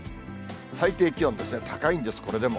最低気温ですが、高いんです、これでも。